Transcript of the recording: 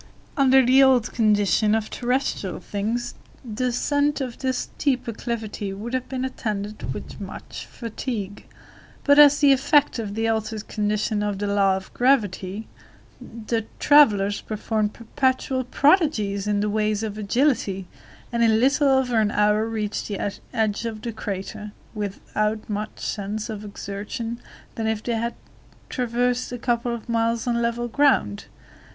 Under the old condition of terrestrial things, the ascent of this steep acclivity would have been attended with much fatigue, but as the effect of the altered condition of the law of gravity, the travelers performed perpetual prodigies in the way of agility, and in little over an hour reached the edge of the crater, without more sense of exertion than if they had traversed a couple of miles on level ground.